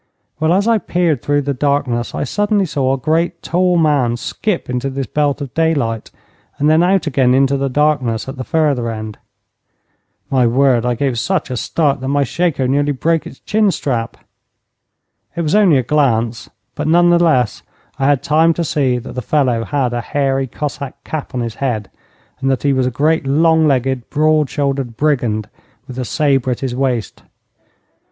Well, as I peered through the darkness, I suddenly saw a great, tall man skip into this belt of daylight, and then out again into the darkness at the further end. My word, I gave such a start that my shako nearly broke its chin strap! It was only a glance, but, none the less, I had time to see that the fellow had a hairy Cossack cap on his head, and that he was a great, long legged, broad shouldered brigand, with a sabre at his waist.